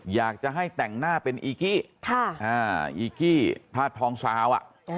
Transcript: อยากจะให้แต่งหน้าเป็นอีกีอีกกี้ธาตุทองซาว